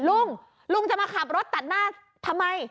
ลุงลุงจะมาขับรถตัดหน้าทำไม